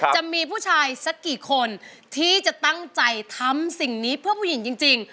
จะมีผู้ชายสักกี่คนที่จะตั้งใจทำสิ่งนี้เพื่อผู้หญิงจริง